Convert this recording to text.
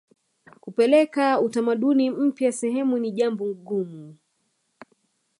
kupeleka utamaduni mpya sehemu ni jambo gumu